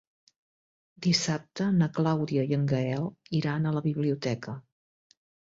Dissabte na Clàudia i en Gaël iran a la biblioteca.